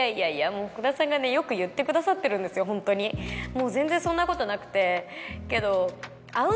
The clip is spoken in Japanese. もう全然そんなことなくて。